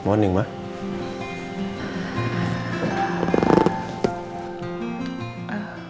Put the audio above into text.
semoga kayak pernah ketemu deh